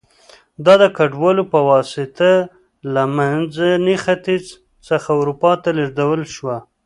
دا د کډوالو په واسطه له منځني ختیځ څخه اروپا ته ولېږدول شوه